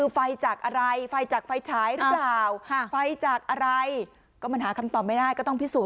ไฟวัท